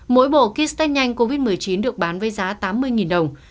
mỗi bộ kit test nhanh covid một mươi chín được bán với giá tám mươi đồng